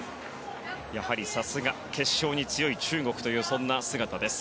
やはり、さすが決勝に強い中国というそんな姿です。